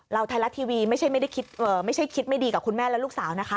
ไทยรัฐทีวีไม่ใช่คิดไม่ดีกับคุณแม่และลูกสาวนะคะ